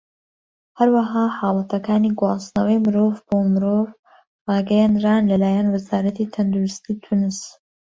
هەروەها، حاڵەتەکانی گواستنەوەی مرۆڤ بۆ مرۆڤ ڕاگەیەنران لەلایەن وەزارەتی تەندروستی تونس.